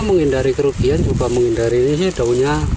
menghindari kerugian juga menghindari ini sih daunnya